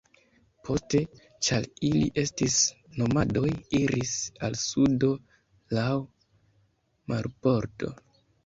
Poste, ĉar ili estis nomadoj, iris al sudo laŭ marbordo.